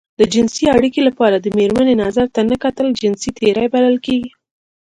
د جنسي اړيکې لپاره د مېرمنې نظر ته نه کتل جنسي تېری بلل کېږي.